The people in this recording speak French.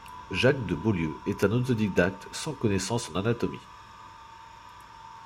Jacques de Beaulieu est un autodidacte, sans connaissance en anatomie.